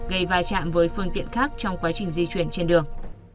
gây vai trạm với phương tiện khác trong quá trình di chuyển trên đường